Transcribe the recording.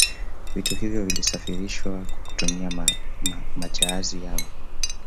Vitu hivyo vilisafirishwa kwa kutumia majahazi yao